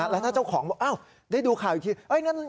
แล้วถ้าเจ้าของบอกได้ดูข่าวอีกที